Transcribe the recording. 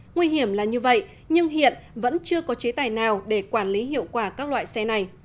nguy hiểm là như vậy nhưng hiện vẫn chưa có chế tài nào để quản lý hiệu quả các loại xe này